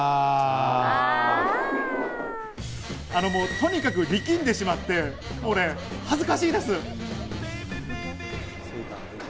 とにかく力んでしまって、これ恥ずかしいです。